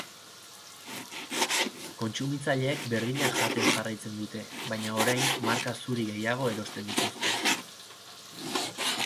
Kontsumitzaileek berdina jaten jarraitzen dute, baina orain marka zuri gehiago erosten dituzte.